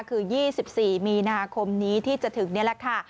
คือ๒๔มีนาคมนี้ที่จะถึงนี่แหละค่ะ